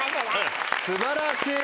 素晴らしい。